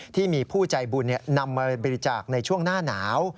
ที่มีผู้ใจบุญนำมาบริจาคในช่วงหน้าหนาว